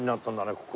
ここ。